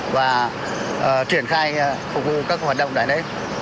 và triển khai phục vụ các hoạt động đại lễ